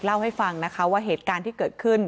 เล่าให้ฟังนะคะว่าเหตุการณ์ที่เกิดขึ้น